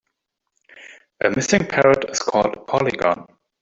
A missing parrot is called a polygon.